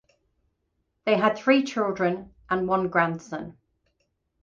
They had three children and one grandson.